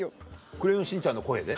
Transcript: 『クレヨンしんちゃん』の声で？